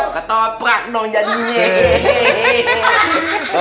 kata prak dong jadinya